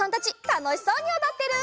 たのしそうにおどってる！